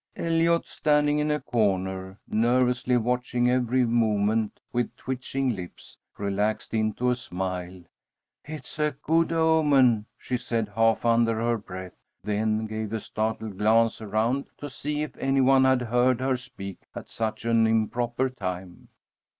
Eliot, standing in a corner, nervously watching every movement with twitching lips, relaxed into a smile. "It's a good omen!" she said, half under her breath, then gave a startled glance around to see if any one had heard her speak at such an improper time.